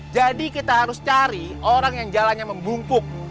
jadi kita harus cari orang yang jalannya membungkuk